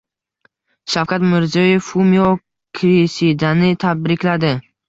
Shavkat Mirziyoyev Fumio Kisidani tabrikladi